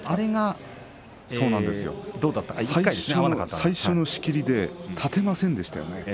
最初の仕切りで立てませんでしたよね。